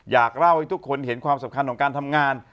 อยากเล่าให้ทุกคนเห็นความสำคัญของการทำงาน